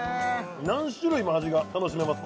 何種類も味が楽しめます